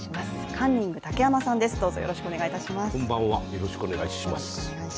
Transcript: カンニング竹山さんです、よろしくお願いいたします。